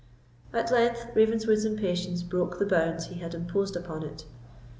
At length Ravenswood's impatience broke the bounds he had imposed upon it.